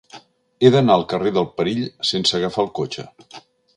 He d'anar al carrer del Perill sense agafar el cotxe.